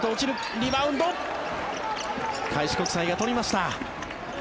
リバウンド開志国際が取りました。